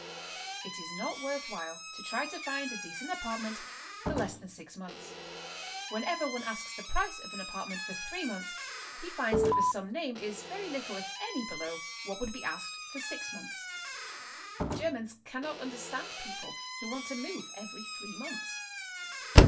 It is not worth while to try to find a decent apartment for less than six months. Whenever one asks the price of an apart ment for three months he finds that the sum named is very little, if any, below what would be asked for six months. Germans cannot understand people who want to move every three months.